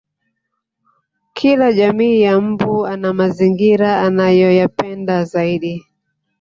Kila jamii ya mbu ana mazingira anayoyapenda zaidi